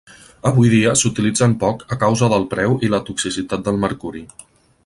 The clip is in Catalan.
Avui dia s'utilitzen poc a causa del preu i la toxicitat del mercuri.